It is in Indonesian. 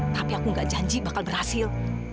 tapi aku gak janji bakal berhasil